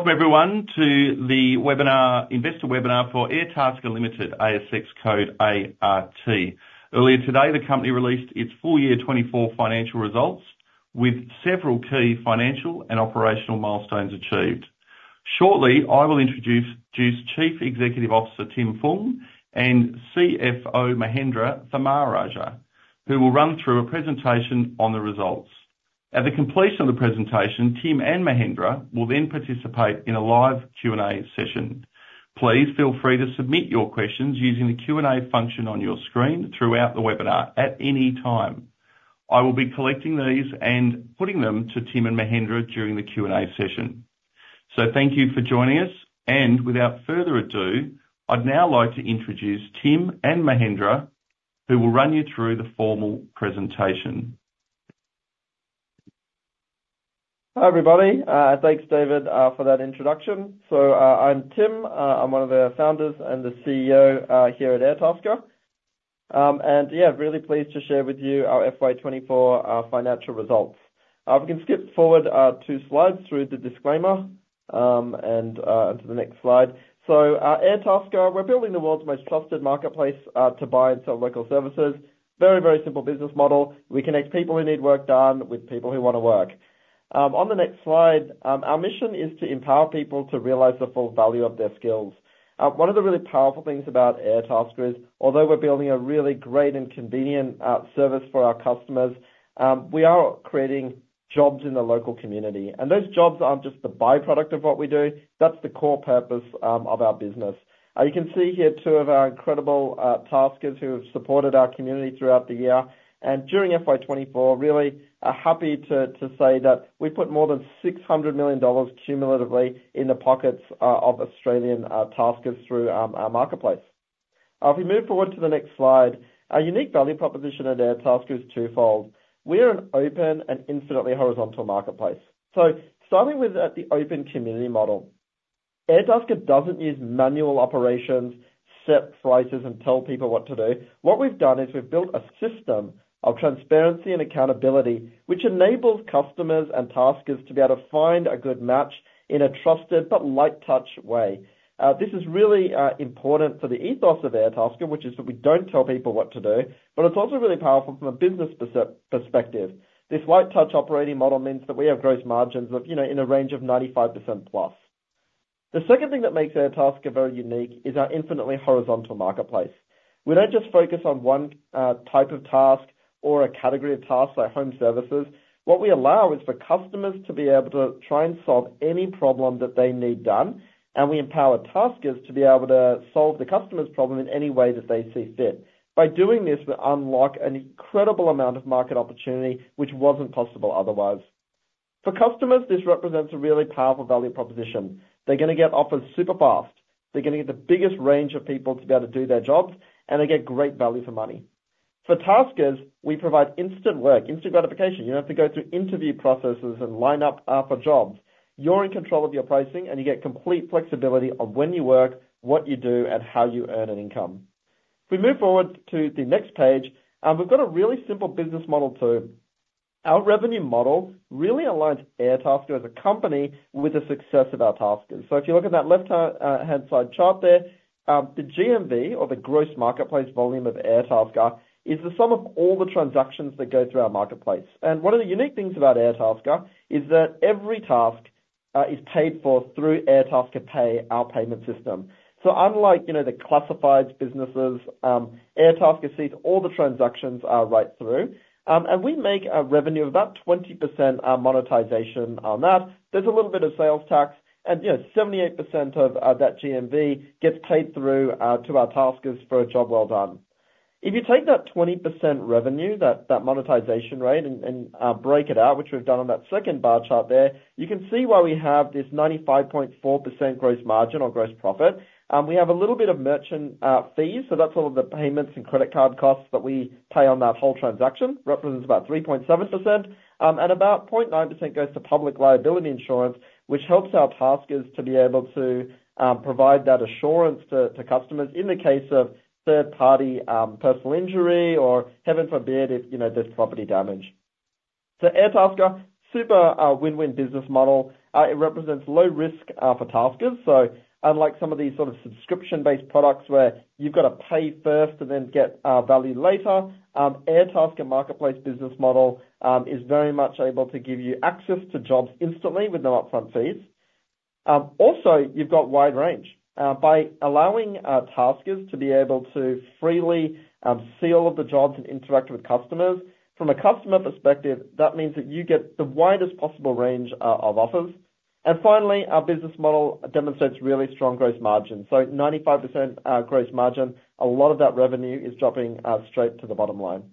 Welcome everyone to the webinar, investor webinar for Airtasker Limited, ASX code ART. Earlier today, the company released its full year 2024 financial results, with several key financial and operational milestones achieved. Shortly, I will introduce Chief Executive Officer, Tim Fung, and CFO, Mahendra Tharmarajah, who will run through a presentation on the results. At the completion of the presentation, Tim and Mahendra will then participate in a live Q&A session. Please feel free to submit your questions using the Q&A function on your screen throughout the webinar at any time. I will be collecting these and putting them to Tim and Mahendra during the Q&A session. So thank you for joining us, and without further ado, I'd now like to introduce Tim and Mahendra, who will run you through the formal presentation. Hi, everybody. Thanks, David, for that introduction. I'm Tim. I'm one of the founders and the CEO here at Airtasker. Yeah, really pleased to share with you our FY 2024 financial results. We can skip forward two slides through the disclaimer and onto the next slide. Airtasker, we're building the world's most trusted marketplace to buy and sell local services. Very, very simple business model. We connect people who need work done with people who want to work. On the next slide, our mission is to empower people to realize the full value of their skills. One of the really powerful things about Airtasker is, although we're building a really great and convenient service for our customers, we are creating jobs in the local community, and those jobs aren't just the by-product of what we do, that's the core purpose of our business. You can see here two of our incredible taskers who have supported our community throughout the year and during FY 2024 really are happy to say that we put more than 600 million dollars cumulatively in the pockets of Australian taskers through our marketplace. If we move forward to the next slide, our unique value proposition at Airtasker is twofold. We're an open and infinitely horizontal marketplace. So starting with the open community model, Airtasker doesn't use manual operations, set prices, and tell people what to do. What we've done is we've built a system of transparency and accountability, which enables customers and taskers to be able to find a good match in a trusted but light touch way. This is really important for the ethos of Airtasker, which is that we don't tell people what to do, but it's also really powerful from a business perspective. This light touch operating model means that we have gross margins of, you know, in a range of +95%. The second thing that makes Airtasker very unique is our infinitely horizontal marketplace. We don't just focus on one type of task or a category of tasks like home services. What we allow is for customers to be able to try and solve any problem that they need done, and we empower taskers to be able to solve the customer's problem in any way that they see fit. By doing this, we unlock an incredible amount of market opportunity, which wasn't possible otherwise. For customers, this represents a really powerful value proposition. They're gonna get offers super fast, they're gonna get the biggest range of people to be able to do their jobs, and they get great value for money. For taskers, we provide instant work, instant gratification. You don't have to go through interview processes and line up for jobs. You're in control of your pricing, and you get complete flexibility of when you work, what you do, and how you earn an income. If we move forward to the next page, we've got a really simple business model too. Our revenue model really aligns Airtasker as a company with the success of our taskers, so if you look at that left hand side chart there, the GMV or the gross marketplace volume of Airtasker is the sum of all the transactions that go through our marketplace, and one of the unique things about Airtasker is that every task is paid for through Airtasker Pay, our payment system, so unlike, you know, the classifieds businesses, Airtasker sees all the transactions right through, and we make a revenue of about 20% monetization on that. There's a little bit of sales tax, and you know, 78% of that GMV gets paid through to our taskers for a job well done. If you take that 20% revenue, that monetization rate and break it out, which we've done on that second bar chart there, you can see why we have this 95.4% gross margin or gross profit. We have a little bit of merchant fees, so that's all of the payments and credit card costs that we pay on that whole transaction, represents about 3.7%. And about 0.9% goes to public liability insurance, which helps our taskers to be able to provide that assurance to customers in the case of third-party personal injury, or Heaven forbid, if you know, there's property damage. So Airtasker super win-win business model. It represents low risk for taskers. So unlike some of these sort of subscription-based products where you've got to pay first and then get value later, Airtasker marketplace business model is very much able to give you access to jobs instantly with no upfront fees. Also, you've got wide range. By allowing taskers to be able to freely see all of the jobs and interact with customers, from a customer perspective, that means that you get the widest possible range of offers. And finally, our business model demonstrates really strong gross margins. So 95% gross margin, a lot of that revenue is dropping straight to the bottom line.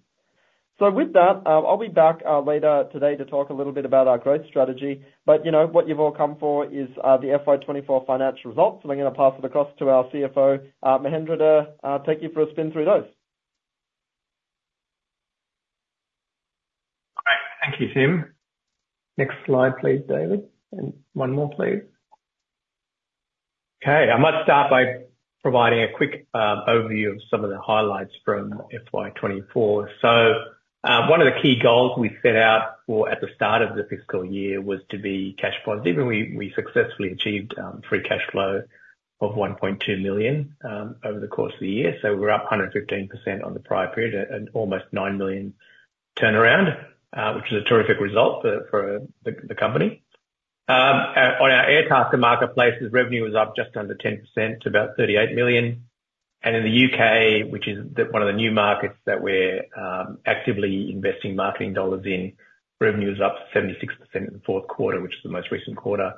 So with that, I'll be back later today to talk a little bit about our growth strategy. But you know what you've all come for is the FY 2024 financial results. I'm gonna pass it across to our CFO, Mahendra, to take you for a spin through those. Great. Thank you, Tim. Next slide, please, David, and one more, please.... Okay, I might start by providing a quick overview of some of the highlights from FY 2024. So, one of the key goals we set out for at the start of the fiscal year was to be cash positive, and we successfully achieved free cash flow of 1.2 million over the course of the year. So we're up 115% on the prior period at an almost 9 million turnaround, which is a terrific result for the company. On our Airtasker marketplaces, revenue was up just under 10% to about 38 million. In the UK, which is one of the new markets that we're actively investing marketing dollars in, revenue is up 76% in the fourth quarter, which is the most recent quarter.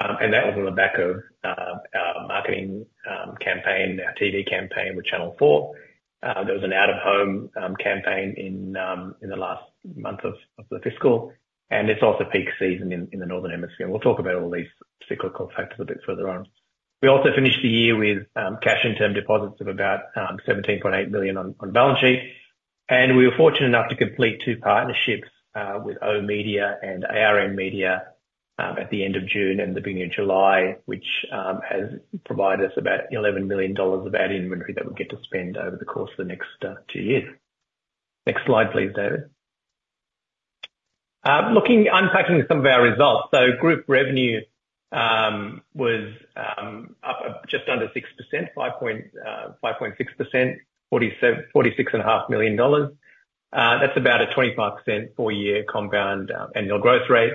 That was on the back of our marketing campaign, our TV campaign with Channel 4. There was an out-of-home campaign in the last month of the fiscal, and it's also peak season in the Northern Hemisphere. We'll talk about all these cyclical factors a bit further on. We also finished the year with cash and term deposits of about 17.8 million on the balance sheet, and we were fortunate enough to complete two partnerships with oOh!media and ARN Media at the end of June and the beginning of July, which has provided us about 11 million dollars of ad inventory that we'll get to spend over the course of the next two years. Next slide, please, David. Looking, unpacking some of our results. So group revenue was up just under 6%, 5.6%, 46.5 million dollars. That's about a 25% four-year compound annual growth rate.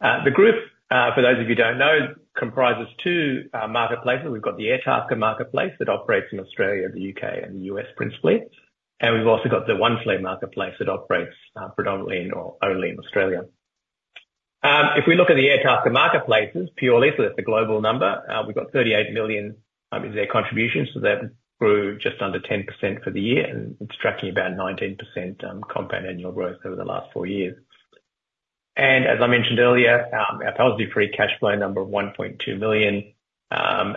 The group, for those of you who don't know, comprises two marketplaces. We've got the Airtasker marketplace that operates in Australia, the U.K., and the U.S. principally, and we've also got the Oneflare marketplace that operates, predominantly in or only in Australia. If we look at the Airtasker marketplaces, purely, so that's the global number, we've got 38 million is their contribution. So that grew just under 10% for the year, and it's tracking about 19%, compound annual growth over the last four years. And as I mentioned earlier, our positive free cash flow number of 1.2 million, a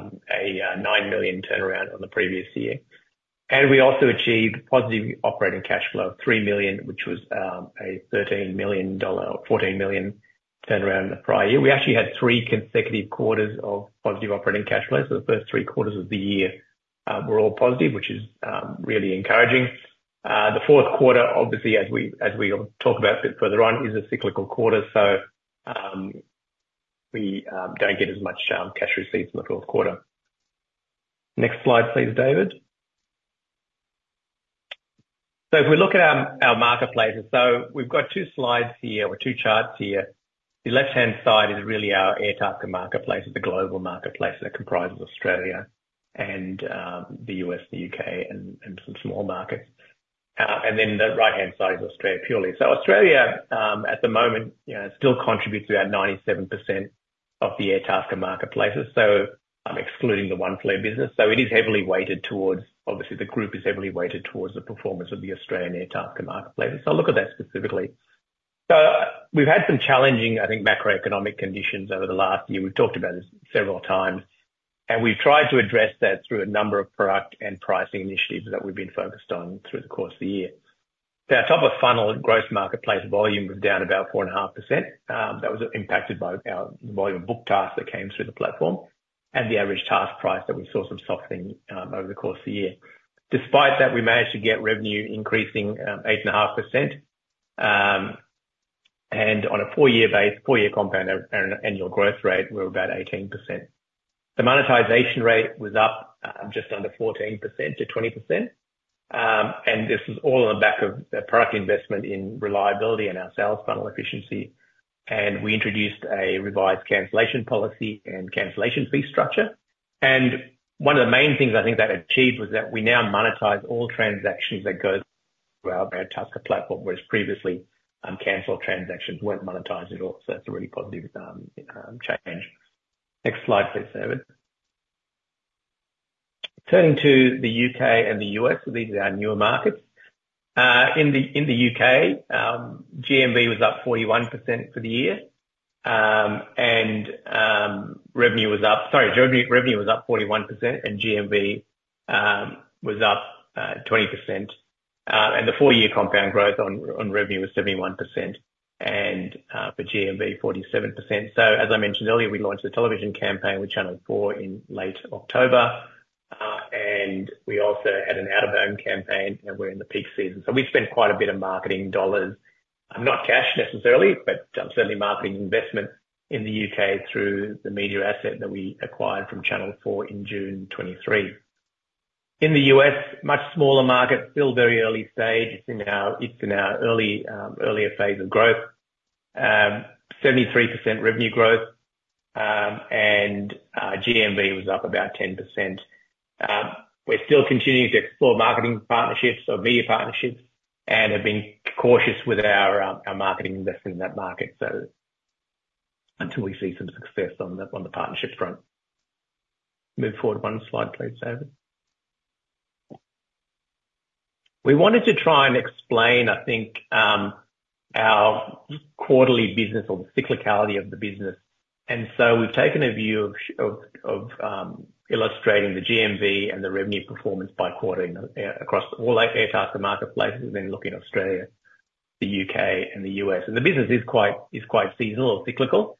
9 million turnaround on the previous year. And we also achieved positive operating cash flow of 3 million, which was, a 13 million dollar or 14 million turnaround on the prior year. We actually had three consecutive quarters of positive operating cash flows. The first three quarters of the year were all positive, which is really encouraging. The fourth quarter, obviously, as we'll talk about a bit further on, is a cyclical quarter, so we don't get as much cash receipts in the fourth quarter. Next slide, please, David. So if we look at our marketplaces, so we've got two slides here or two charts here. The left-hand side is really our Airtasker marketplace, the global marketplace that comprises Australia and the U.S., the U.K., and some small markets. And then the right-hand side is Australia, purely. So Australia at the moment still contributes about 97% of the Airtasker marketplaces, so I'm excluding the Oneflare business. So it is heavily weighted towards... Obviously, the group is heavily weighted towards the performance of the Australian Airtasker marketplace. I'll look at that specifically. We've had some challenging, I think, macroeconomic conditions over the last year. We've talked about this several times, and we've tried to address that through a number of product and pricing initiatives that we've been focused on through the course of the year. Our top-of-funnel gross marketplace volume was down about 4.5%. That was impacted by our volume of booked tasks that came through the platform and the average task price that we saw some softening over the course of the year. Despite that, we managed to get revenue increasing 8.5%, and on a four-year base, four-year compound annual growth rate, we're about 18%. The monetization rate was up just under 14% to 20%, and this was all on the back of a product investment in reliability and our sales funnel efficiency, and we introduced a revised cancellation policy and cancellation fee structure, and one of the main things I think that achieved was that we now monetize all transactions that go through our Airtasker platform, whereas previously, uncancelled transactions weren't monetized at all, so that's a really positive change. Next slide, please, David. Turning to the U.K. and the U.S., so these are our newer markets. In the U.K., GMV was up 41% for the year, and, sorry, revenue was up 41% and GMV was up 20%. And the four-year compound growth on revenue was 71% and for GMV, 47%. So as I mentioned earlier, we launched a television campaign with Channel 4 in late October, and we also had an out-of-home campaign, and we're in the peak season. So we spent quite a bit of marketing dollars, not cash necessarily, but certainly marketing investment in the UK through the media asset that we acquired from Channel 4 in June 2023. In the U.S., much smaller market, still very early stage. It's in our early, earlier phase of growth. 73% revenue growth, and GMV was up about 10%. We're still continuing to explore marketing partnerships or media partnerships and have been cautious with our, our marketing investment in that market, so until we see some success on the partnership front. Move forward one slide, please, David. We wanted to try and explain, I think, our quarterly business or the cyclicality of the business, and so we've taken a view of illustrating the GMV and the revenue performance by quartering across all our Airtasker marketplaces and then looking at Australia, the UK and the US. The business is quite seasonal or cyclical.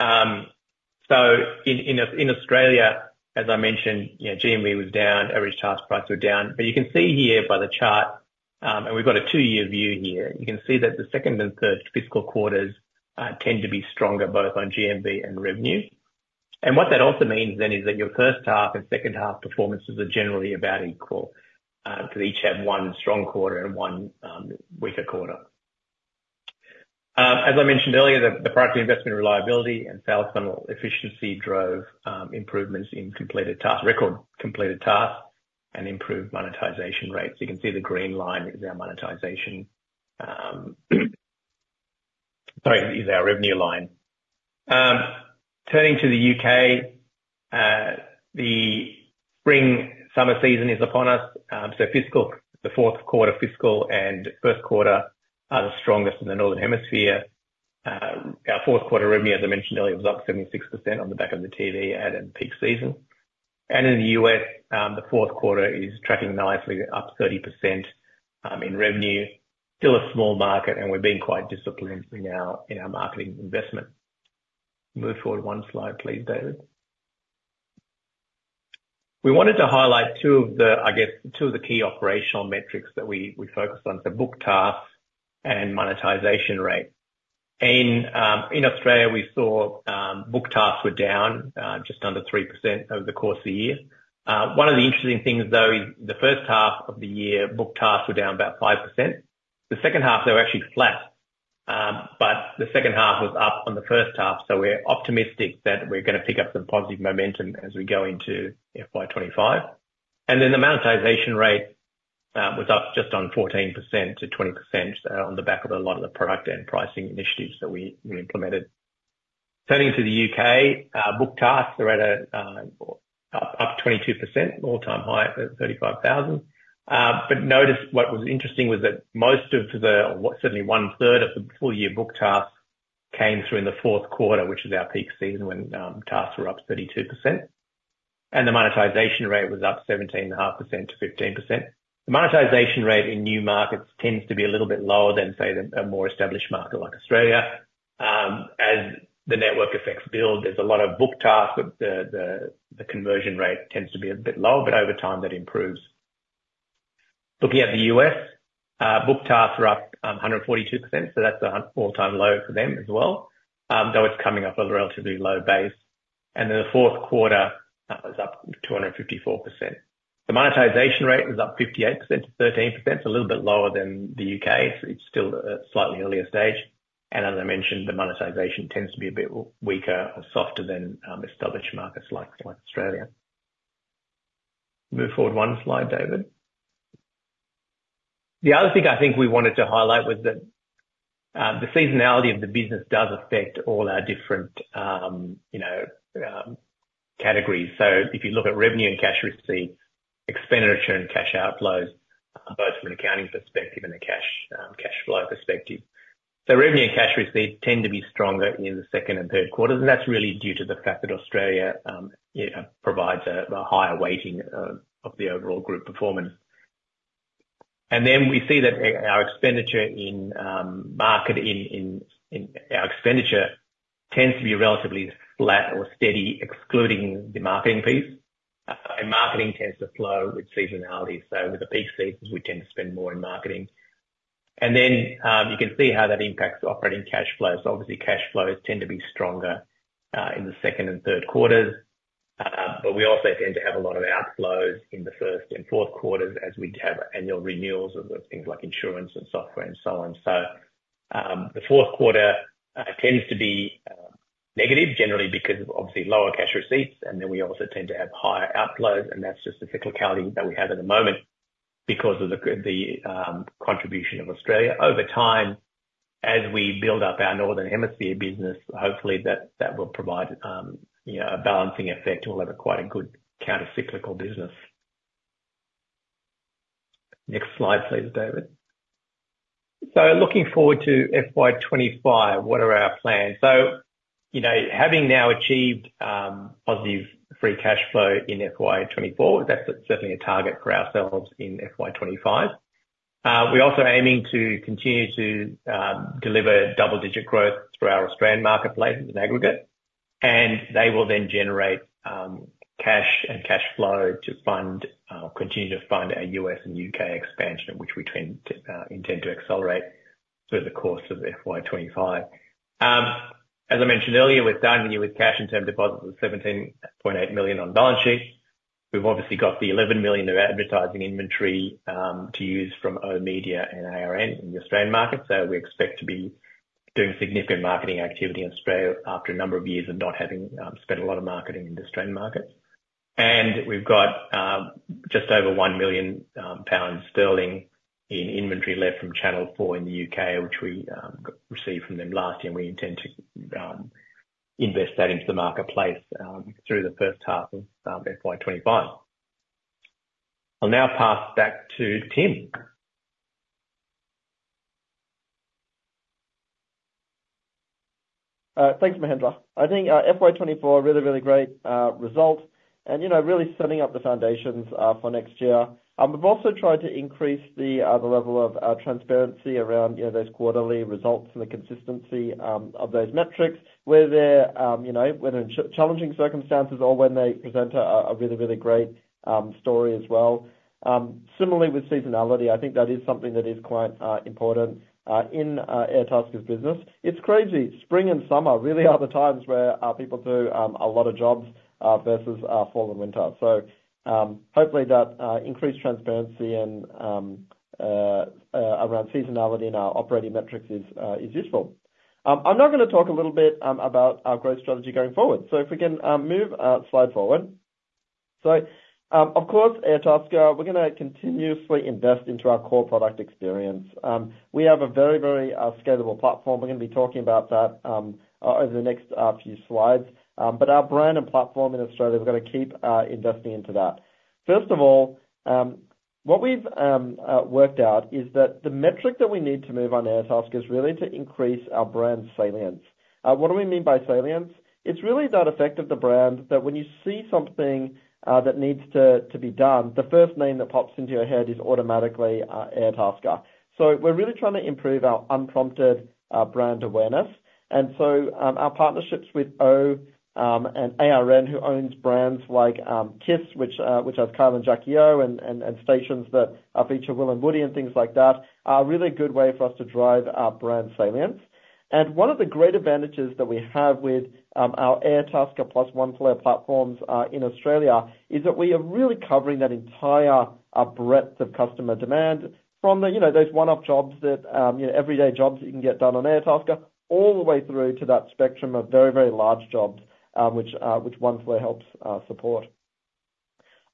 So in Australia, as I mentioned, you know, GMV was down, average task prices were down. But you can see here by the chart, and we've got a two-year view here. You can see that the second and third fiscal quarters tend to be stronger, both on GMV and revenue, and what that also means then is that your first half and second half performances are generally about equal, because each have one strong quarter and one weaker quarter. As I mentioned earlier, the product investment reliability and sales funnel efficiency drove improvements in completed tasks, record completed tasks, and improved monetization rates. You can see the green line is our monetization. Sorry, is our revenue line. Turning to the UK, the spring/summer season is upon us, so fiscal, the fourth quarter fiscal and first quarter are the strongest in the Northern Hemisphere. Our fourth quarter revenue, as I mentioned earlier, was up 76% on the back of the TV ad and peak season. And in the U.S., the fourth quarter is tracking nicely, up 30% in revenue. Still a small market, and we're being quite disciplined in our marketing investment. Move forward one slide, please, David. We wanted to highlight two of the key operational metrics that we focused on: the booked tasks and monetization rate. In Australia, we saw booked tasks were down just under 3% over the course of the year. One of the interesting things, though, is the first half of the year, booked tasks were down about 5%. The second half, they were actually flat, but the second half was up on the first half, so we're optimistic that we're gonna pick up some positive momentum as we go into FY 2025. And then the monetization rate was up just on 14% to 20%, on the back of a lot of the product and pricing initiatives that we implemented. Turning to the U.K., booked tasks are up 22%, all-time high at 35,000. But notice what was interesting was that most of the, certainly one third of the full year booked tasks, came through in the fourth quarter, which is our peak season, when tasks were up 32%, and the monetization rate was up 17.5% to 15%. The monetization rate in new markets tends to be a little bit lower than, say, the, a more established market like Australia. As the network effects build, there's a lot of booked tasks, but the conversion rate tends to be a bit lower, but over time that improves. Looking at the U.S., booked tasks are up 142%, so that's an all-time low for them as well, though it's coming off a relatively low base, and then the fourth quarter that was up 254%. The monetization rate was up 58% to 13%, a little bit lower than the U.K. It's still a slightly earlier stage, and as I mentioned, the monetization tends to be a bit weaker or softer than established markets like Australia. Move forward one slide, David. The other thing I think we wanted to highlight was that the seasonality of the business does affect all our different, you know, categories. So if you look at revenue and cash receipts, expenditure and cash outflows, both from an accounting perspective and a cash flow perspective. So revenue and cash receipts tend to be stronger in the second and third quarters, and that's really due to the fact that Australia, you know, provides a higher weighting of the overall group performance. And then we see that our expenditure tends to be relatively flat or steady, excluding the marketing piece. And marketing tends to flow with seasonality, so with the peak seasons, we tend to spend more in marketing. And then you can see how that impacts operating cash flows. Obviously, cash flows tend to be stronger in the second and third quarters, but we also tend to have a lot of outflows in the first and fourth quarters as we have annual renewals of the things like insurance and software and so on. So, the fourth quarter tends to be negative, generally because of obviously lower cash receipts, and then we also tend to have higher outflows, and that's just the cyclicality that we have at the moment because of the contribution of Australia. Over time, as we build up our Northern Hemisphere business, hopefully that will provide you know, a balancing effect. We'll have quite a good countercyclical business. Next slide, please, David. So looking forward to FY twenty-five, what are our plans? You know, having now achieved positive free cash flow in FY 2024, that's certainly a target for ourselves in FY 2025. We're also aiming to continue to deliver double-digit growth through our Australian marketplace in aggregate, and they will then generate cash and cash flow to continue to fund our U.S. and U.K. expansion, which we intend to accelerate through the course of FY 2025. As I mentioned earlier, we have cash and term deposits of AUD 17.8 million on balance sheet. We've obviously got the AUD 11 million of advertising inventory to use from oOh!media and ARN in the Australian market. We expect to be doing significant marketing activity in Australia after a number of years of not having spent a lot of marketing in the Australian market. We've got just over 1 million pound sterling in inventory left from Channel 4 in the UK, which we received from them last year, and we intend to invest that into the marketplace through the first half of FY 2025. I'll now pass back to Tim. ... Thanks, Mahendra. I think FY 2024 [is a] really really great result, and you know really setting up the foundations for next year. We've also tried to increase the level of transparency around you know those quarterly results and the consistency of those metrics where they're you know whether in challenging circumstances or when they present a really really great story as well. Similarly, with seasonality, I think that is something that is quite important in Airtasker's business. It's crazy! Spring and summer really are the times where people do a lot of jobs versus fall and winter. So hopefully that increased transparency and around seasonality in our operating metrics is useful. I'm now gonna talk a little bit about our growth strategy going forward. So if we can move slide forward. So, of course, Airtasker, we're gonna continuously invest into our core product experience. We have a very, very scalable platform. We're gonna be talking about that over the next few slides. But our brand and platform in Australia, we're gonna keep investing into that. First of all, what we've worked out is that the metric that we need to move on Airtasker is really to increase our brand salience. What do we mean by salience? It's really that effect of the brand, that when you see something that needs to be done, the first name that pops into your head is automatically Airtasker. So we're really trying to improve our unprompted brand awareness. And so our partnerships with O and ARN, who owns brands like KIIS, which has Kyle and Jackie O, and stations that feature Will and Woody and things like that, are a really good way for us to drive our brand salience. And one of the great advantages that we have with our Airtasker plus Oneflare platforms in Australia is that we are really covering that entire breadth of customer demand from the you know those one-off jobs that you know everyday jobs that you can get done on Airtasker, all the way through to that spectrum of very very large jobs which Oneflare helps support.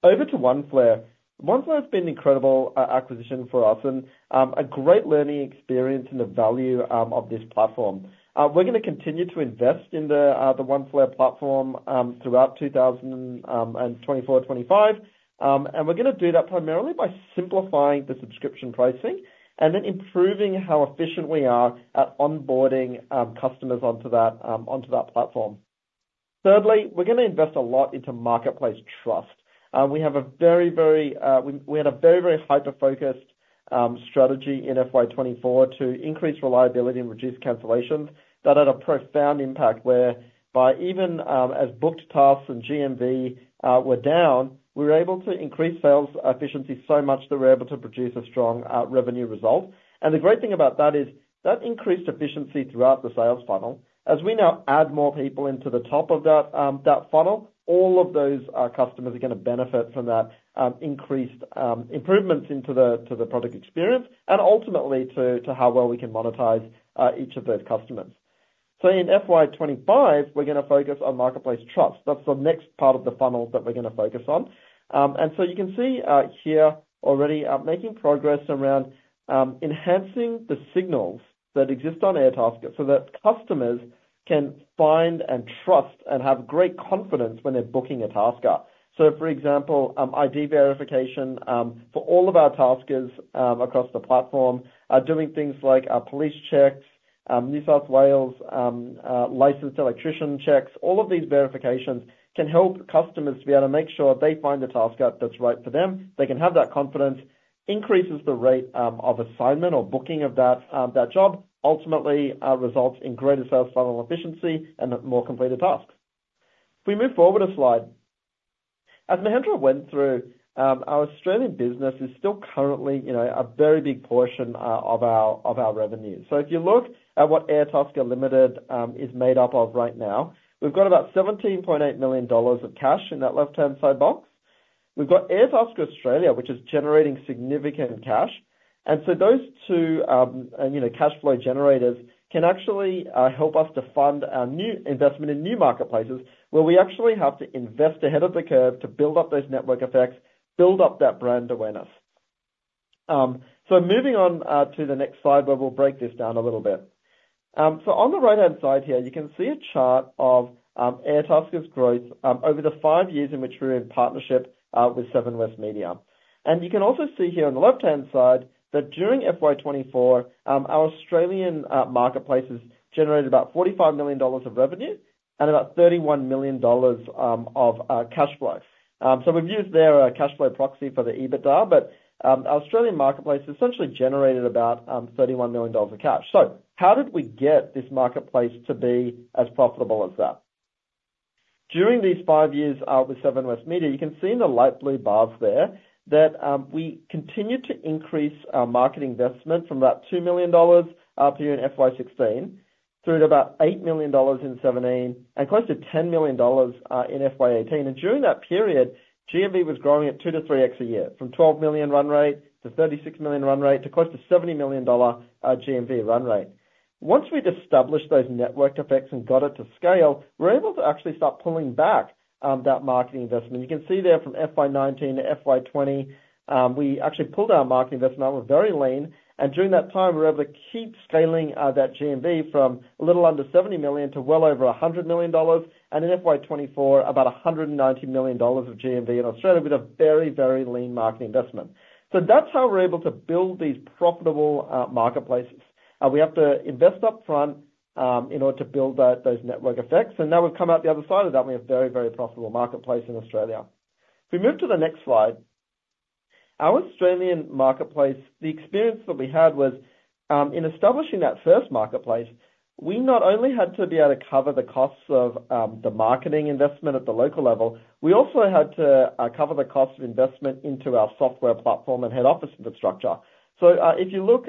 Over to Oneflare. Oneflare's been an incredible acquisition for us, and a great learning experience in the value of this platform. We're gonna continue to invest in the Oneflare platform throughout 2024-2025. We're gonna do that primarily by simplifying the subscription pricing, and then improving how efficient we are at onboarding customers onto that platform. Thirdly, we're gonna invest a lot into marketplace trust. We had a very, very hyper-focused strategy in FY 2024 to increase reliability and reduce cancellations. That had a profound impact, whereby even as booked tasks and GMV were down, we were able to increase sales efficiency so much that we were able to produce a strong revenue result. The great thing about that is that increased efficiency throughout the sales funnel. As we now add more people into the top of that funnel, all of those customers are gonna benefit from that increased improvements to the product experience, and ultimately, to how well we can monetize each of those customers. So in FY twenty-five, we're gonna focus on marketplace trust. That's the next part of the funnel that we're gonna focus on. And so you can see here already making progress around enhancing the signals that exist on Airtasker, so that customers can find and trust and have great confidence when they're booking a tasker. So, for example, ID verification for all of our taskers across the platform are doing things like police checks, New South Wales licensed electrician checks. All of these verifications can help customers to be able to make sure they find a tasker that's right for them. They can have that confidence, increases the rate of assignment or booking of that job, ultimately results in greater sales funnel efficiency and more completed tasks. If we move forward a slide. As Mahendra went through, our Australian business is still currently, you know, a very big portion of our revenue. So if you look at what Airtasker Limited is made up of right now, we've got about 17.8 million dollars of cash in that left-hand side box. We've got Airtasker Australia, which is generating significant cash, and so those two, you know, cash flow generators can actually help us to fund our new investment in new marketplaces, where we actually have to invest ahead of the curve to build up those network effects, build up that brand awareness, so moving on to the next slide, where we'll break this down a little bit, so on the right-hand side here, you can see a chart of Airtasker's growth over the five years in which we're in partnership with Seven West Media, and you can also see here on the left-hand side that during FY 2024 our Australian marketplaces generated about 45 million dollars of revenue and about 31 million dollars of cash flow. So we've used their cash flow proxy for the EBITDA, but our Australian marketplace essentially generated about 31 million dollars of cash. So how did we get this marketplace to be as profitable as that? During these five years with Seven West Media, you can see in the light blue bars there, that we continued to increase our marketing investment from about 2 million dollars per year in FY 2016, through to about 8 million dollars in 2017, and close to 10 million dollars in FY 2018. And during that period, GMV was growing at two to three X a year, from 12 million run rate to 36 million run rate, to close to 70 million dollar GMV run rate. Once we'd established those network effects and got it to scale, we were able to actually start pulling back that marketing investment. You can see there from FY 2019 to FY 2020, we actually pulled our marketing investment. We were very lean, and during that time, we were able to keep scaling that GMV from a little under 70 million to well over 100 million dollars, and in FY 2024, about 190 million dollars of GMV in Australia with a very, very lean marketing investment. So that's how we're able to build these profitable marketplaces. We have to invest up front in order to build those network effects, and now we've come out the other side of that, and we have a very, very profitable marketplace in Australia. If we move to the next slide, our Australian marketplace, the experience that we had was in establishing that first marketplace. We not only had to be able to cover the costs of the marketing investment at the local level, we also had to cover the cost of investment into our software platform and head office infrastructure. So if you look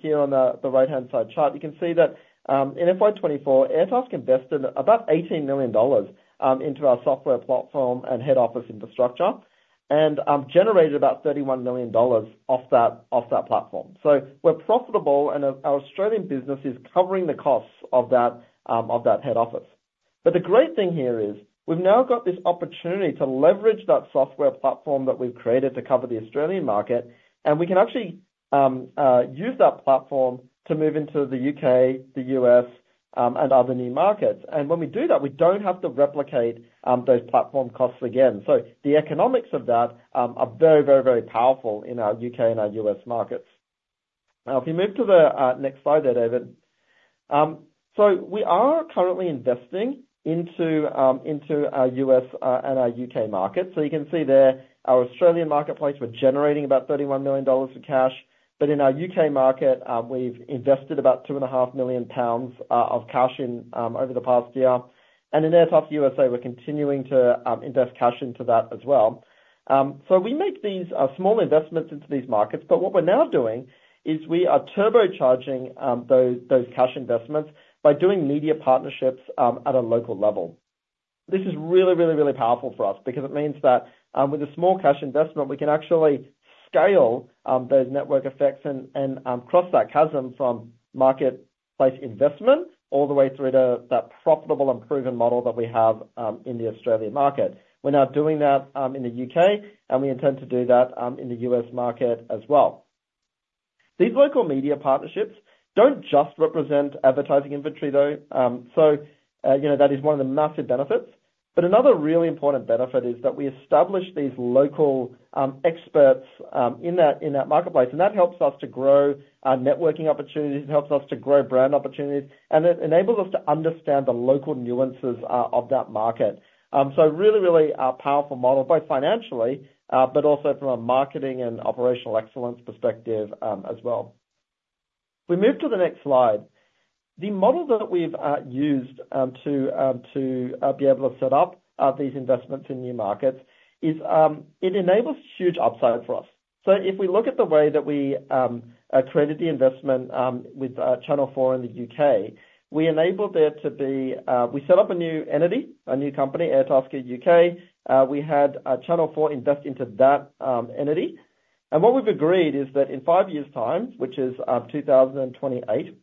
here on the right-hand side chart, you can see that in FY 2024, Airtasker invested about 18 million dollars into our software platform and head office infrastructure, and generated about 31 million dollars off that platform. So we're profitable, and our Australian business is covering the costs of that head office. but the great thing here is, we've now got this opportunity to leverage that software platform that we've created to cover the Australian market, and we can actually use that platform to move into the U.K., the U.S., and other new markets. and when we do that, we don't have to replicate those platform costs again. so the economics of that are very, very, very powerful in our U.K. and our U.S. markets. Now, if you move to the next slide there, David. so we are currently investing into our U.S. and our U.K. market. so you can see there, our Australian marketplace, we're generating about 31 million dollars of cash, but in our U.K. market, we've invested about 2.5 million pounds of cash in over the past year. In Airtasker USA, we're continuing to invest cash into that as well. We make these small investments into these markets, but what we're now doing is we are turbocharging those cash investments by doing media partnerships at a local level. This is really, really, really powerful for us because it means that with a small cash investment, we can actually scale those network effects and cross that chasm from marketplace investment all the way through to that profitable and proven model that we have in the Australian market. We're now doing that in the UK, and we intend to do that in the US market as well. These local media partnerships don't just represent advertising inventory, though. You know, that is one of the massive benefits. But another really important benefit is that we establish these local experts in that marketplace, and that helps us to grow our networking opportunities, it helps us to grow brand opportunities, and it enables us to understand the local nuances of that market. So really, really, a powerful model, both financially, but also from a marketing and operational excellence perspective, as well. If we move to the next slide. The model that we've used to be able to set up these investments in new markets is it enables huge upside for us. So if we look at the way that we created the investment with Channel 4 in the UK, we enabled there to be... We set up a new entity, a new company, Airtasker UK. We had Channel 4 invest into that entity. And what we've agreed is that in five years' time, which is two thousand and twenty-eight,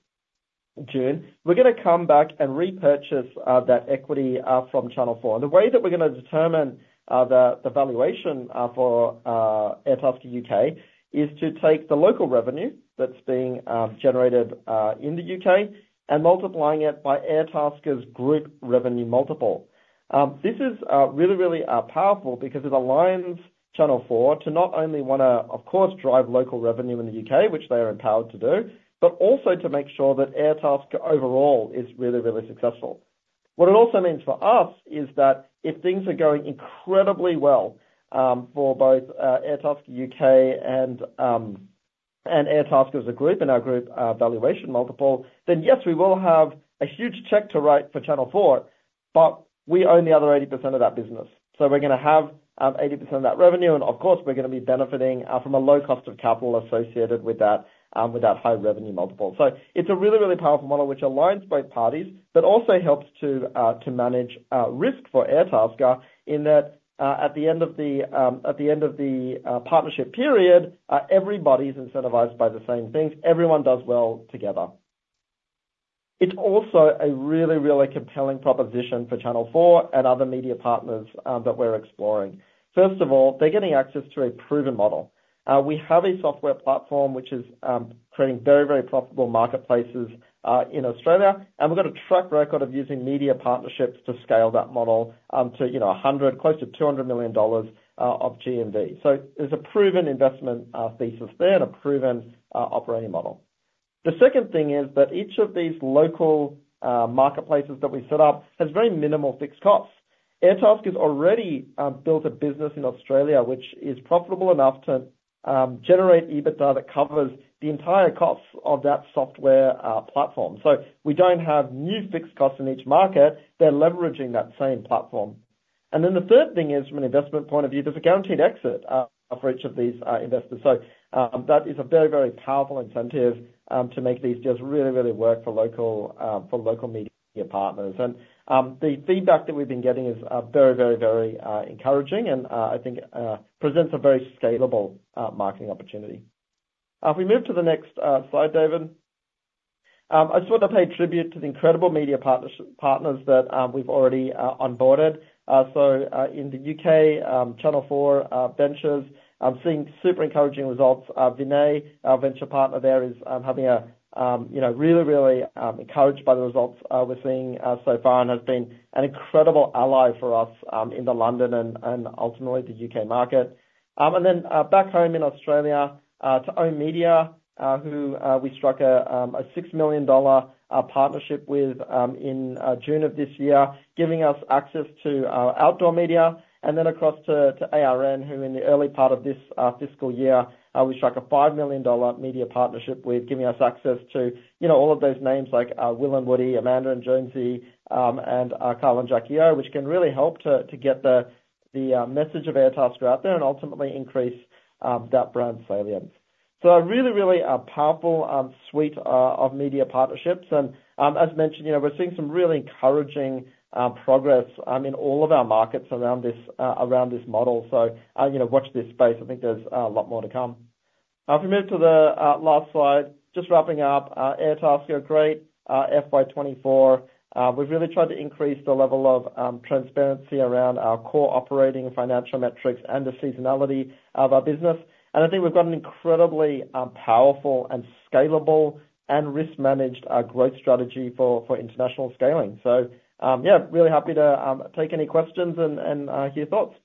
June, we're gonna come back and repurchase that equity from Channel 4. And the way that we're gonna determine the valuation for Airtasker UK is to take the local revenue that's being generated in the UK, and multiplying it by Airtasker's group revenue multiple. This is really, really powerful because it aligns Channel 4 to not only wanna, of course, drive local revenue in the UK, which they are empowered to do, but also to make sure that Airtasker overall is really, really successful. What it also means for us is that if things are going incredibly well for both Airtasker UK and Airtasker as a group and our group valuation multiple, then yes, we will have a huge check to write for Channel 4, but we own the other 80% of that business. So we're gonna have 80% of that revenue, and of course, we're gonna be benefiting from a low cost of capital associated with that with that high revenue multiple. So it's a really, really powerful model which aligns both parties, but also helps to manage risk for Airtasker in that at the end of the partnership period, everybody's incentivized by the same things. Everyone does well together. It's also a really, really compelling proposition for Channel 4 and other media partners, that we're exploring. First of all, they're getting access to a proven model. We have a software platform which is creating very, very profitable marketplaces in Australia, and we've got a track record of using media partnerships to scale that model, to, you know, 100 million-close to 200 million dollars of GMV. So there's a proven investment thesis there and a proven operating model. The second thing is that each of these local marketplaces that we set up has very minimal fixed costs. Airtasker has already built a business in Australia, which is profitable enough to generate EBITDA that covers the entire cost of that software platform. So we don't have new fixed costs in each market, they're leveraging that same platform. Then the third thing is, from an investment point of view, there's a guaranteed exit for each of these investors. So, that is a very, very powerful incentive to make these deals really, really work for local media partners. The feedback that we've been getting is very, very, very encouraging, and I think presents a very scalable marketing opportunity. If we move to the next slide, David. I just want to pay tribute to the incredible media partners that we've already onboarded. So, in the UK, Channel 4 Ventures, I'm seeing super encouraging results. Vinay, our venture partner there, is you know really really encouraged by the results we're seeing so far and has been an incredible ally for us in the London and ultimately the UK market. Then back home in Australia to oOh!media who we struck a 6 million dollar partnership with in June of this year, giving us access to outdoor media. Then across to ARN, who in the early part of this fiscal year we struck a 5 million dollar media partnership with, giving us access to, you know, all of those names like Will and Woody, Amanda and Jonesy, and Kyle and Jackie O, which can really help to get the message of Airtasker out there and ultimately increase that brand salience. So a really powerful suite of media partnerships. And as mentioned, you know, we're seeing some really encouraging progress in all of our markets around this model. So you know, watch this space. I think there's a lot more to come. Now, if we move to the last slide, just wrapping up, Airtasker, a great FY 2024. We've really tried to increase the level of transparency around our core operating and financial metrics and the seasonality of our business. And I think we've got an incredibly powerful and scalable and risk managed growth strategy for international scaling. So, yeah, really happy to take any questions and hear your thoughts.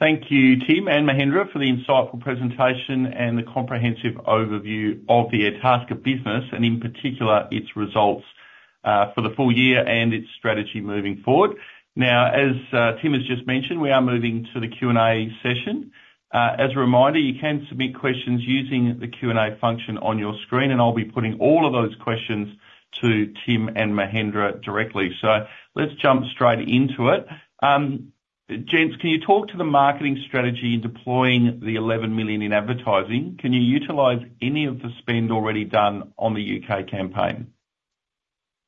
Thank you, Tim and Mahendra, for the insightful presentation and the comprehensive overview of the Airtasker business, and in particular, its results for the full year and its strategy moving forward. Now, as Tim has just mentioned, we are moving to the Q&A session. As a reminder, you can submit questions using the Q&A function on your screen, and I'll be putting all of those questions to Tim and Mahendra directly. So let's jump straight into it. Gents, can you talk to the marketing strategy in deploying the 11 million in advertising? Can you utilize any of the spend already done on the UK campaign?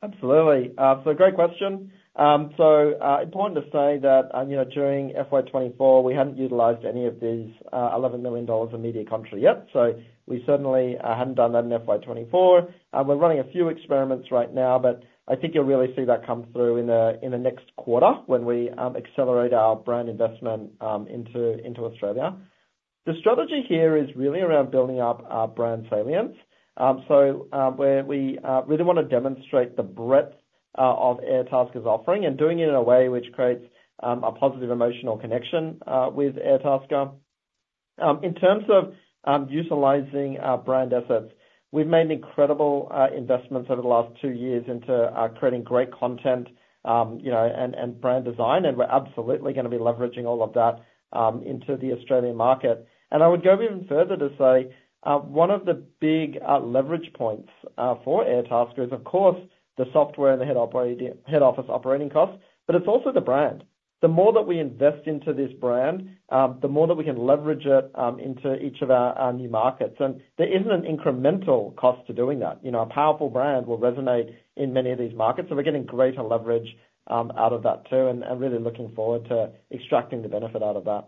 Absolutely. So great question. So, important to say that, you know, during FY 2024, we hadn't utilized any of these 11 million dollars of media credit yet. So we certainly hadn't done that in FY 2024. We're running a few experiments right now, but I think you'll really see that come through in the next quarter when we accelerate our brand investment into Australia. The strategy here is really around building up our brand salience. So, where we really want to demonstrate the breadth of Airtasker's offering and doing it in a way which creates a positive emotional connection with Airtasker. In terms of utilizing our brand assets, we've made incredible investments over the last two years into creating great content, you know, and brand design, and we're absolutely gonna be leveraging all of that into the Australian market. I would go even further to say one of the big leverage points for Airtasker is, of course, the software and the head office operating costs, but it's also the brand. The more that we invest into this brand, the more that we can leverage it into each of our new markets. There isn't an incremental cost to doing that. You know, a powerful brand will resonate in many of these markets, so we're getting greater leverage out of that too, and really looking forward to extracting the benefit out of that.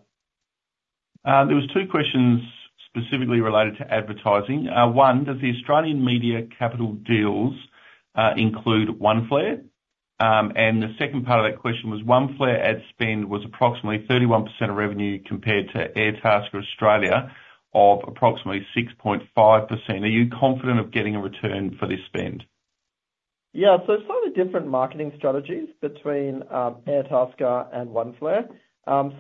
There was two questions specifically related to advertising. One, does the Australian media capital deals include Oneflare? The second part of that question was, Oneflare ad spend was approximately 31% of revenue compared to Airtasker Australia of approximately 6.5%. Are you confident of getting a return for this spend? Yeah, so slightly different marketing strategies between Airtasker and Oneflare.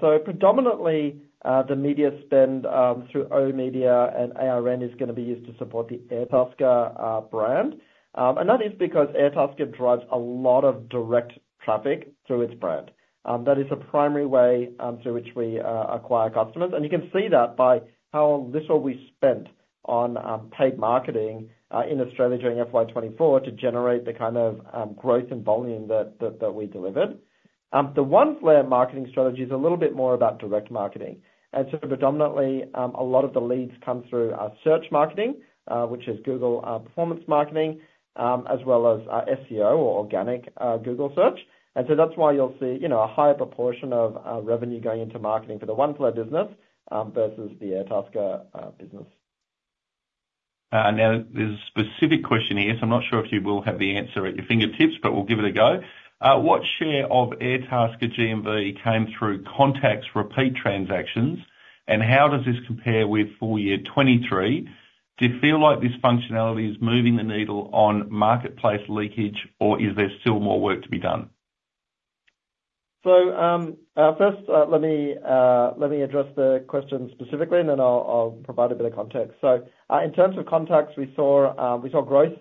So predominantly, the media spend through oOh!media and ARN is gonna be used to support the Airtasker brand, and that is because Airtasker drives a lot of direct traffic through its brand. That is a primary way through which we acquire customers, and you can see that by how little we spent on paid marketing in Australia during FY 2024 to generate the kind of growth and volume that we delivered. The Oneflare marketing strategy is a little bit more about direct marketing, and so predominantly, a lot of the leads come through our search marketing, which is Google performance marketing as well as SEO or organic Google search. And so that's why you'll see, you know, a higher proportion of revenue going into marketing for the Oneflare business versus the Airtasker business. Now there's a specific question here, so I'm not sure if you will have the answer at your fingertips, but we'll give it a go. What share of Airtasker GMV came through contacts, repeat transactions, and how does this compare with full year 2023? Do you feel like this functionality is moving the needle on marketplace leakage, or is there still more work to be done? So, first, let me address the question specifically, and then I'll provide a bit of context. In terms of contacts, we saw growth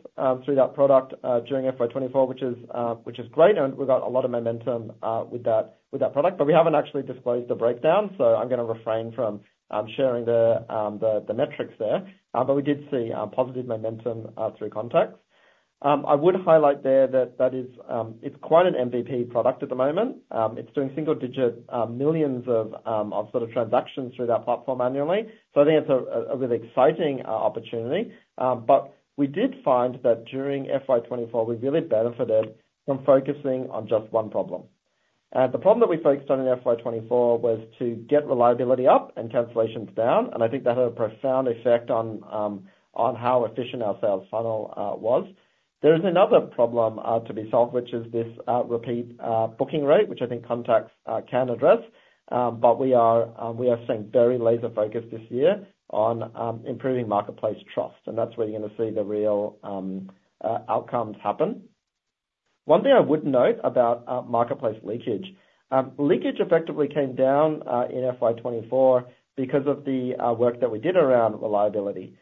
through that product during FY 2024, which is great, and we've got a lot of momentum with that product, but we haven't actually disclosed the breakdown, so I'm gonna refrain from sharing the metrics there. But we did see positive momentum through contacts. I would highlight there that that is quite an MVP product at the moment. It's doing single digit millions of sort of transactions through that platform annually. So I think it's a really exciting opportunity. But we did find that during FY 2024, we really benefited from focusing on just one problem. And the problem that we focused on in FY 2024 was to get reliability up and cancellations down, and I think that had a profound effect on how efficient our sales funnel was. There is another problem to be solved, which is this repeat booking rate, which I think contacts can address. But we are staying very laser focused this year on improving marketplace trust, and that's where you're gonna see the real outcomes happen. One thing I would note about marketplace leakage. Leakage effectively came down in FY 2024 because of the work that we did around reliability.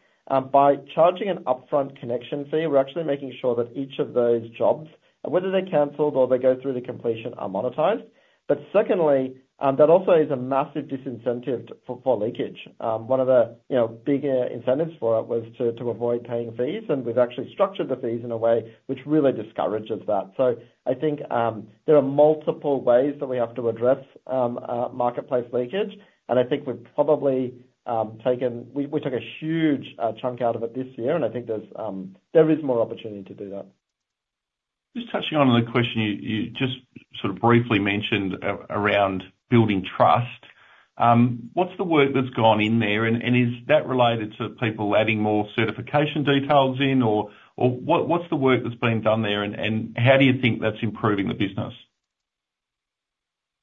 By charging an upfront connection fee, we're actually making sure that each of those jobs, whether they're canceled or they go through the completion, are monetized, but secondly, that also is a massive disincentive for leakage. One of the, you know, bigger incentives for it was to avoid paying fees, and we've actually structured the fees in a way which really discourages that, so I think there are multiple ways that we have to address marketplace leakage, and I think we've probably taken. We took a huge chunk out of it this year, and I think there is more opportunity to do that.... Just touching on the question you just sort of briefly mentioned around building trust. What's the work that's gone in there? And is that related to people adding more certification details in, or what, what's the work that's been done there, and how do you think that's improving the business?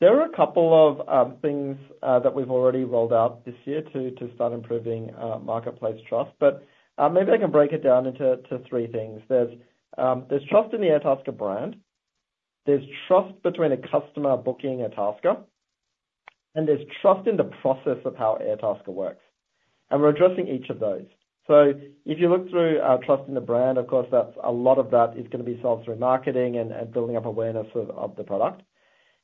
There are a couple of things that we've already rolled out this year to start improving marketplace trust, but maybe I can break it down into three things. There's trust in the Airtasker brand, there's trust between a customer booking a tasker, and there's trust in the process of how Airtasker works, and we're addressing each of those. So if you look through trust in the brand, of course, that's a lot of that is gonna be solved through marketing and building up awareness of the product.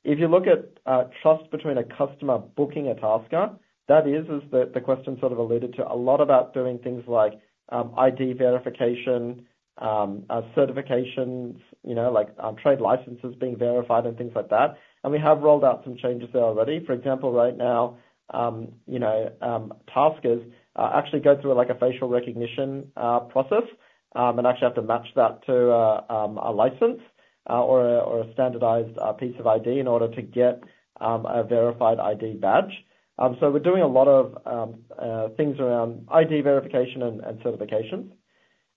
If you look at trust between a customer booking a tasker, that is, as the question sort of alluded to, a lot about doing things like ID verification, certifications, you know, like trade licenses being verified and things like that, and we have rolled out some changes there already. For example, right now, you know, taskers actually go through like a facial recognition process, and actually have to match that to a license or a standardized piece of ID in order to get a verified ID badge. So we're doing a lot of things around ID verification and certifications.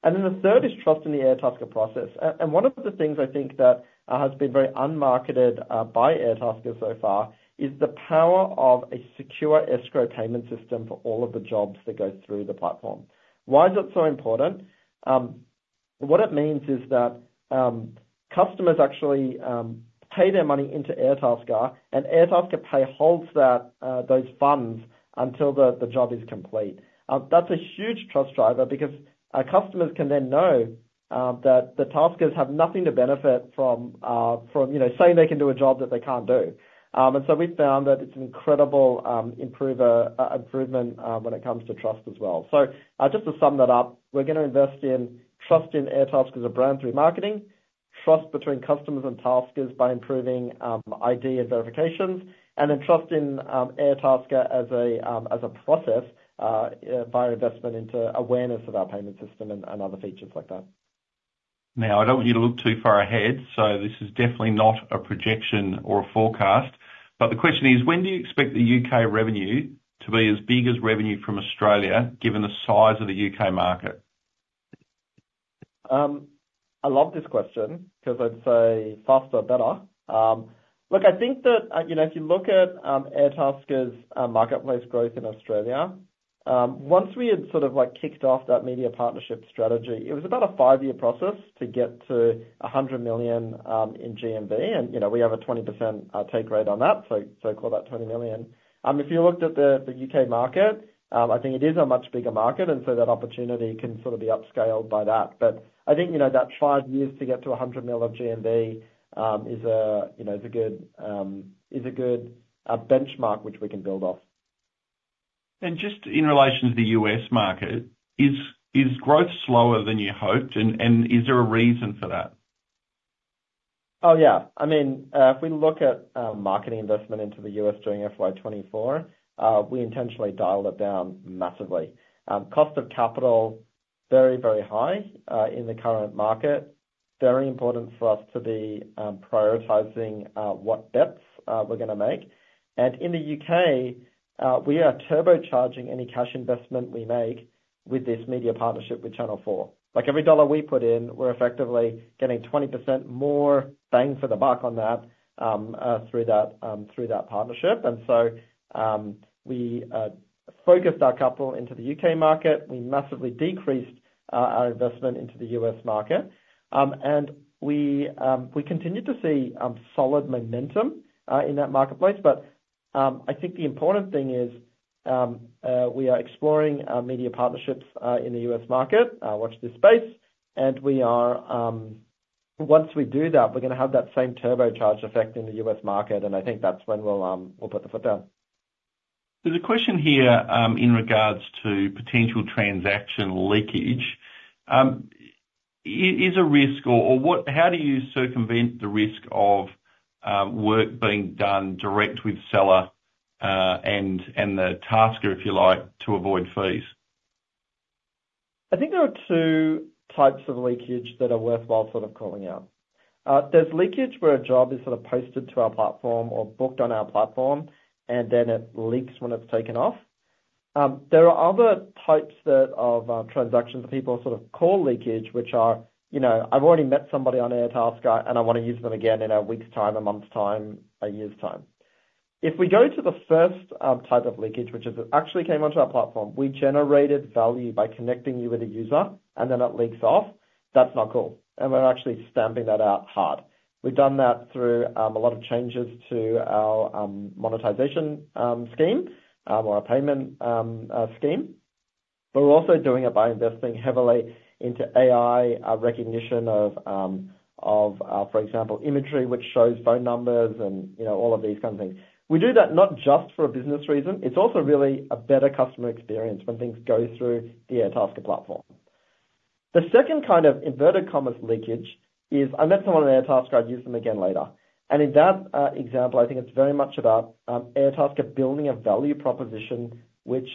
And then the third is trust in the Airtasker process. And one of the things I think that has been very unmarketed by Airtasker so far is the power of a secure escrow payment system for all of the jobs that go through the platform. Why is that so important? What it means is that customers actually pay their money into Airtasker, and Airtasker Pay holds those funds until the job is complete. That's a huge trust driver because our customers can then know that the taskers have nothing to benefit from, you know, saying they can do a job that they can't do. And so we've found that it's an incredible improvement when it comes to trust as well. So, just to sum that up, we're gonna invest in trust in Airtasker as a brand through marketing, trust between customers and taskers by improving ID and verifications, and then trust in Airtasker as a process by investment into awareness of our payment system and other features like that. Now, I don't want you to look too far ahead, so this is definitely not a projection or a forecast, but the question is: When do you expect the U.K. revenue to be as big as revenue from Australia, given the size of the U.K. market? I love this question because I'd say faster, better. Look, I think that, you know, if you look at Airtasker's marketplace growth in Australia, once we had sort of, like, kicked off that media partnership strategy, it was about a five-year process to get to a 100 million in GMV, and, you know, we have a 20% take rate on that, so call that twenty million. If you looked at the UK market, I think it is a much bigger market, and so that opportunity can sort of be upscaled by that. But I think, you know, that five years to get to an 100 million of GMV is a good benchmark which we can build off. Just in relation to the U.S. market, is growth slower than you hoped, and is there a reason for that? Oh, yeah. I mean, if we look at marketing investment into the U.S. during FY 2024, we intentionally dialed it down massively. Cost of capital very, very high in the current market. Very important for us to be prioritizing what bets we're gonna make. In the U.K., we are turbocharging any cash investment we make with this media partnership with Channel 4. Like, every dollar we put in, we're effectively getting 20% more bang for the buck on that through that partnership. We focused our capital into the U.K. market. We massively decreased our investment into the U.S. market, and we continued to see solid momentum in that marketplace. But, I think the important thing is, we are exploring media partnerships in the US market. Watch this space, and we are. Once we do that, we're gonna have that same turbocharge effect in the US market, and I think that's when we'll put the foot down. There's a question here in regards to potential transaction leakage. How do you circumvent the risk of work being done direct with seller and the tasker, if you like, to avoid fees? I think there are two types of leakage that are worthwhile sort of calling out. There's leakage where a job is sort of posted to our platform or booked on our platform, and then it leaks when it's taken off. There are other types that, of, transactions that people sort of call leakage, which are, you know, I've already met somebody on Airtasker, and I want to use them again in a week's time, a month's time, a year's time. If we go to the first type of leakage, which is it actually came onto our platform, we generated value by connecting you with a user, and then it leaks off, that's not cool, and we're actually stamping that out hard. We've done that through a lot of changes to our monetization scheme or our payment scheme. But we're also doing it by investing heavily into AI recognition of, for example, imagery, which shows phone numbers and, you know, all of these kind of things. We do that not just for a business reason, it's also really a better customer experience when things go through the Airtasker platform. The second kind of inverted commas leakage is, I met someone on Airtasker, I'd use them again later. And in that example, I think it's very much about Airtasker building a value proposition which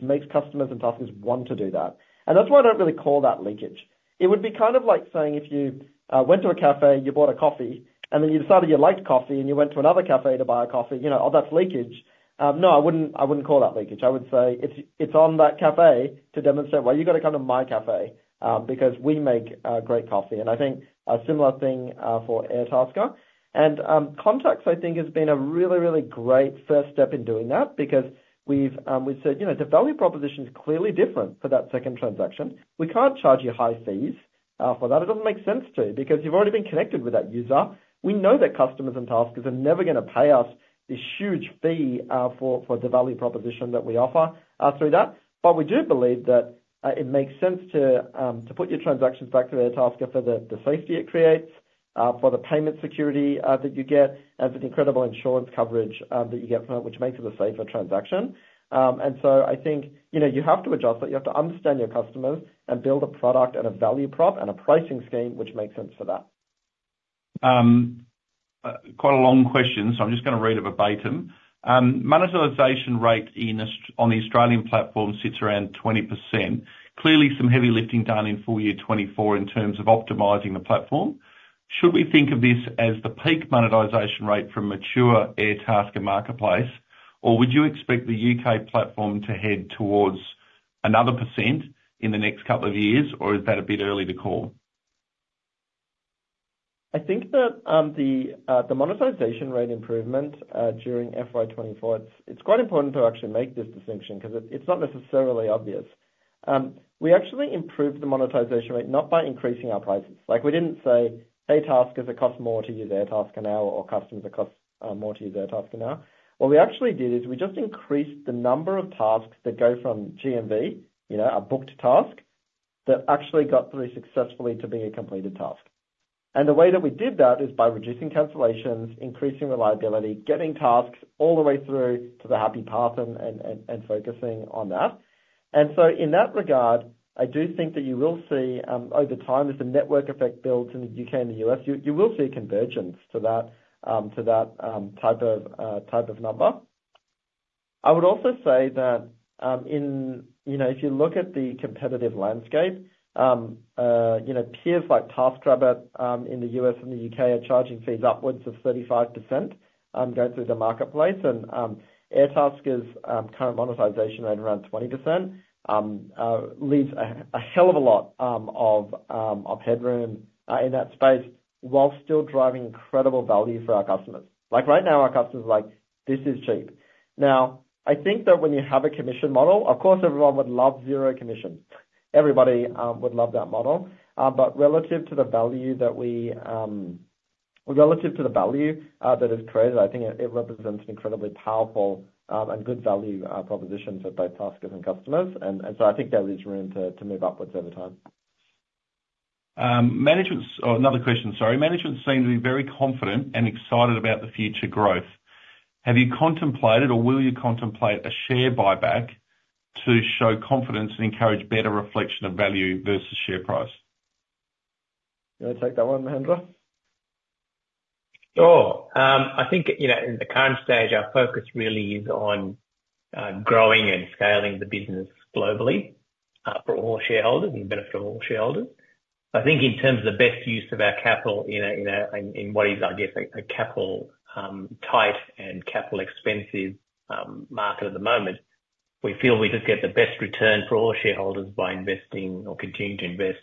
makes customers and taskers want to do that. And that's why I don't really call that leakage. It would be kind of like saying, if you went to a cafe, you bought a coffee, and then you decided you liked coffee, and you went to another cafe to buy a coffee, you know, oh, that's leakage. No, I wouldn't call that leakage. I would say it's on that cafe to demonstrate, well, you got to come to my cafe, because we make great coffee. I think a similar thing for Airtasker. Contacts, I think, has been a really, really great first step in doing that because we've said, you know, the value proposition is clearly different for that second transaction. We can't charge you high fees for that. It doesn't make sense to, because you've already been connected with that user. We know that customers and taskers are never gonna pay us this huge fee for the value proposition that we offer through that. But we do believe that it makes sense to put your transactions back to Airtasker for the safety it creates for the payment security that you get and for the incredible insurance coverage that you get from it, which makes it a safer transaction. And so I think, you know, you have to adjust it. You have to understand your customers and build a product and a value prop and a pricing scheme which makes sense for that. Quite a long question, so I'm just gonna read it verbatim. Monetization rate in Aus- on the Australian platform sits around 20%. Clearly, some heavy lifting done in full year 2024 in terms of optimizing the platform. Should we think of this as the peak monetization rate for mature Airtasker marketplace, or would you expect the UK platform to head towards another percent in the next couple of years, or is that a bit early to call? I think that, the monetization rate improvement, during FY 2024, it's quite important to actually make this distinction, 'cause it's not necessarily obvious. We actually improved the monetization rate, not by increasing our prices. Like, we didn't say, "Hey, taskers, it costs more to use Airtasker now," or, "Customers, it costs more to use Airtasker now." What we actually did is we just increased the number of tasks that go from GMV, you know, a booked task, that actually got through successfully to being a completed task, and the way that we did that is by reducing cancellations, increasing reliability, getting tasks all the way through to the happy path and focusing on that. And so in that regard, I do think that you will see, over time, as the network effect builds in the U.K. and the U.S., you will see a convergence to that type of number. I would also say that. You know, if you look at the competitive landscape, you know, peers like TaskRabbit in the U.S. and the U.K. are charging fees upwards of 35%, going through the marketplace, and Airtasker's current monetization rate around 20% leaves a hell of a lot of headroom in that space, while still driving incredible value for our customers. Like, right now, our customers are like, "This is cheap." Now, I think that when you have a commission model, of course, everyone would love zero commission. Everybody would love that model, but relative to the value that is created, I think it represents an incredibly powerful and good value proposition for both taskers and customers, and so I think there is room to move upwards over time. Management seem to be very confident and excited about the future growth. Have you contemplated, or will you contemplate a share buyback to show confidence and encourage better reflection of value versus share price? You want to take that one, Mahendra? Sure. I think, you know, in the current stage, our focus really is on growing and scaling the business globally, for all shareholders and benefit all shareholders. I think in terms of best use of our capital in what is, I guess, a capital tight and capital expensive market at the moment, we feel we just get the best return for all shareholders by investing or continuing to invest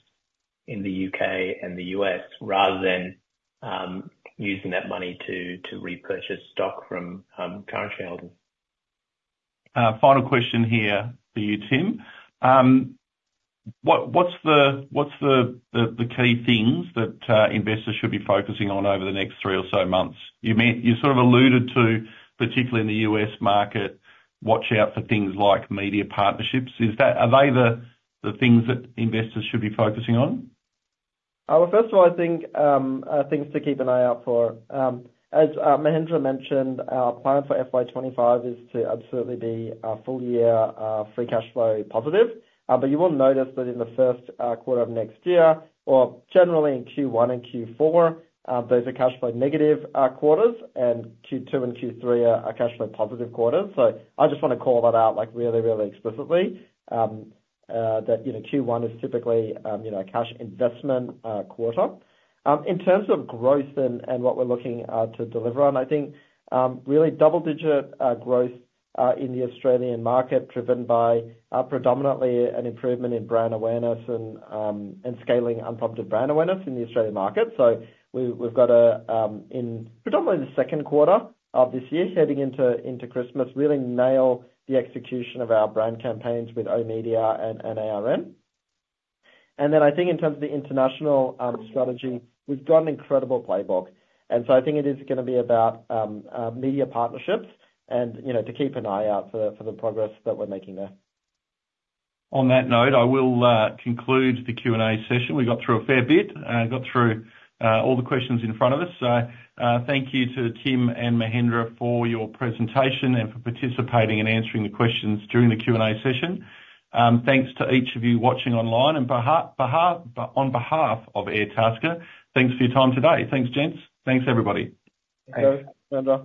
in the UK and the US, rather than using that money to repurchase stock from current shareholders. Final question here for you, Tim. What's the key things that investors should be focusing on over the next three or so months? You sort of alluded to, particularly in the US market, watch out for things like media partnerships. Are they the things that investors should be focusing on? Well, first of all, I think, things to keep an eye out for. As Mahendra mentioned, our plan for FY 2025 is to absolutely be full year free cash flow positive. But you will notice that in the first quarter of next year, or generally in Q1 and Q4, those are cash flow negative quarters, and Q2 and Q3 are cash flow positive quarters. So I just want to call that out, like, really, really explicitly, that, you know, Q1 is typically, you know, a cash investment quarter. In terms of growth and what we're looking to deliver on, I think really double digit growth in the Australian market, driven by predominantly an improvement in brand awareness and scaling on top of the brand awareness in the Australian market, so we've got, in predominantly the second quarter of this year, heading into Christmas, really nail the execution of our brand campaigns with oOh!media and ARN, and then I think in terms of the international strategy, we've got an incredible playbook, and so I think it is gonna be about media partnerships and, you know, to keep an eye out for the progress that we're making there. On that note, I will conclude the Q&A session. We got through a fair bit, got through all the questions in front of us. So, thank you to Tim and Mahendra for your presentation and for participating and answering the questions during the Q&A session. Thanks to each of you watching online, and on behalf of Airtasker, thanks for your time today. Thanks, gents. Thanks, everybody. Thanks, Mahendra.